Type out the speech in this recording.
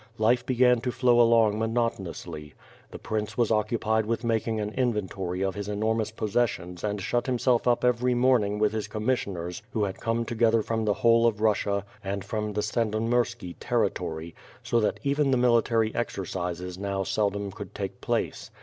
Life began to flow along monotonously. The prince was occupied with making an inventory of his enormous possessions and shut himself up every morning with his commissioners who had come together from the whole of Russia and from the Sandonmirski terri tory— so that even the military exercises now seldom could take place.